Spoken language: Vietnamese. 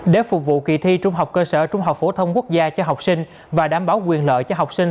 để phục vụ kỳ thi trung học cơ sở trung học phổ thông quốc gia cho học sinh và đảm bảo quyền lợi cho học sinh